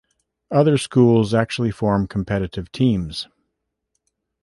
Other schools actually form competitive teams.